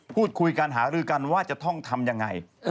พูดคุยกันหารือกันว่าจะต้องทำยังไง